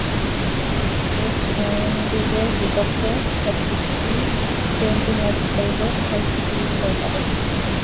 West ইন্ডিজের বিপক্ষে একটি টি টোয়েন্টি ম্যাচ খেলবে আইসিসি বিশ্ব একাদশ।